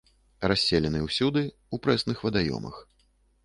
Расселены ўсюды ў прэсных вадаёмах.